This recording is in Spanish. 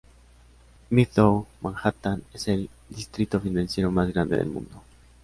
Midtown Manhattan es el distrito financiero más grande del mundo.